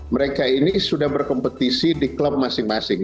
mereka ini sudah berkompetisi di klub masing masing